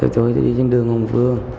tôi đi trên đường hồng vương